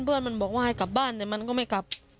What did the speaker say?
เพื่อนมันบอกว่าให้กลับบ้านแต่มันก็ไม่กลับ